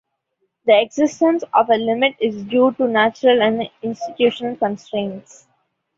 The existence of a limit is due to natural and institutional constraints.